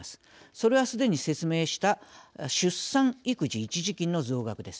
それは、すでに説明した出産育児一時金の増額です。